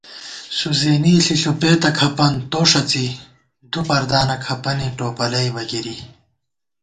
سُزېنی ݪی ݪُپېتہ کھپن ، توݭڅی ✿ دُو پردانہ کَھپَنے ، ٹوپَلَئیبہ گِری